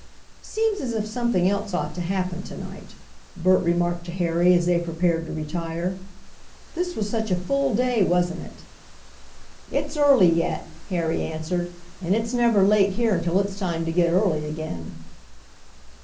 "Seems as if something else ought to happen to night," Bert remarked to Harry as they prepared to retire. "This was such a full day, wasn't it?" "It's early yet," Harry answered, "and it's never late here until it's time to get early again."